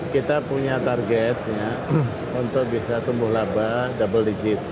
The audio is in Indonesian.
kita punya target untuk bisa tumbuh laba double digit